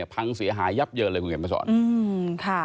พังเสียหายับเยินเลยคุณเห็นประสรรค์